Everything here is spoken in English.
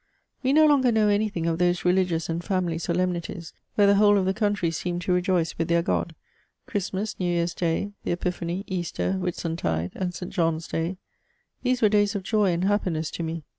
We no longer know anything of those religious and family solemnities, where the whole of the country seemed to rejoice with their God ; Christmas, New Tear's Day, the Epiphany, Easter, Whitsuntide, and St. John's Day ; these were days of joy and happiness to me.